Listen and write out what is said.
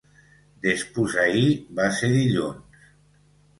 Despús-ahir va ser dilluns.